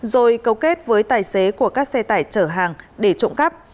rồi cấu kết với tài xế của các xe tải chở hàng để trộm cắp